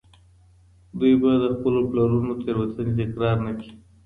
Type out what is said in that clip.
دوی به د خپلو پلرونو تېروتني تکرار نه کړي.